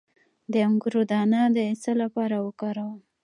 د انګور دانه د څه لپاره وکاروم؟